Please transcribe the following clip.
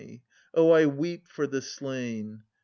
Oh, I weep for the slain